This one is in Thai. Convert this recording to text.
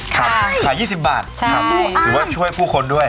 ขาย๒๐บาทถือว่าช่วยผู้คนด้วย